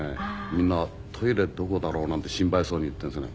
みんな「トイレどこだろう？」なんて心配そうに言ってるんですよね。